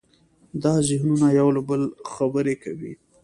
دا ذهنونه یو له بله خبرې کوي.